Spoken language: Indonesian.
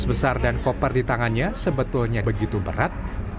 besar dan koper di tangannya sebetulnya begitu berat